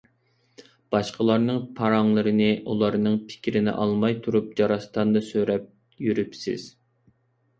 باشقىلارنىڭ پاراڭلىرىنى ئۇلارنىڭ پىكىرىنى ئالماي تۇرۇپ جاراستاندا سۆرەپ يۈرۈپسىز.